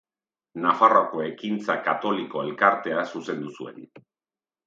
Nafarroako Ekintza Katoliko elkartea zuzendu zuen.